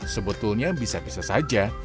sebetulnya bisa bisa saja